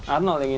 arnold yang ini